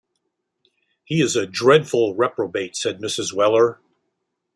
‘He is a dreadful reprobate,’ said Mrs. Weller.